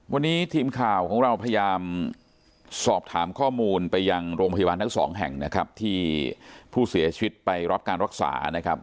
วันนี้ทีมข่าวของเราพยายามสอบถามข้อมูลไปยังโรงพยาบาลทั้งสองแห่งนะครับที่ผู้เสียชีวิตไปรับการรักษานะครับ